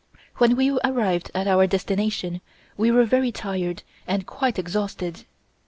When we arrived at our destination we were very tired and quite exhausted.